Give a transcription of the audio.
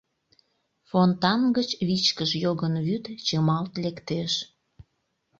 Фонтан гыч вичкыж йогынвӱд чымалт лектеш.